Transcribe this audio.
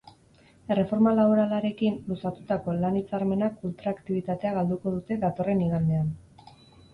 Erreforma laboralarekin, luzatutako lan-hitzarmenak ultraaktibitatea galduko dute datorren igandean.